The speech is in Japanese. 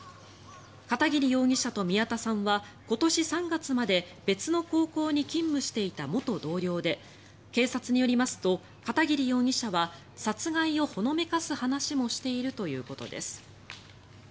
片桐容疑者と宮田さんは今年３月まで別の高校に勤務していた元同僚で警察によりますと片桐容疑者は殺害をほのめかす話もしているということです。